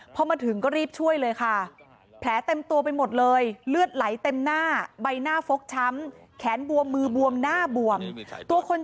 พอมาถึงก็รีบช่วยเลยค่ะแผลเต็มตัวไปหมดเลยเลือดไหลเต็มหน้าใบหน้าฟกช้ำแขนบวมมือบวมหน้าบวมตัวคน